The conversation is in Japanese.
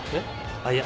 あっいや。